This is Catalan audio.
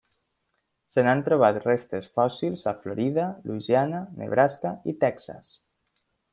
Se n'han trobat restes fòssils a Florida, Louisiana, Nebraska i Texas.